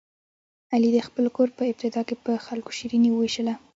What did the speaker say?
علي د خپل کور په ابتدا کې په خلکو شیریني ووېشله.